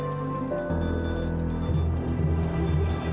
selama ini nonila sudah melakukan banyak hal untuk orang lain